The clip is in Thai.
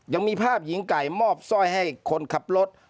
ยังมีภาพหญิงไก่มอบสร้อยให้คนขับรถ